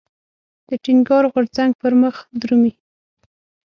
د ټينګار غورځنګ پرمخ درومي.